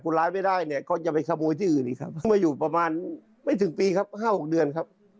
เข้ามาอยู่ประมาณไม่ถึงปีครับ๕๖เดือนครับ